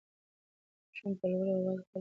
ماشوم په لوړ اواز خپل ابا ته غږ کړ.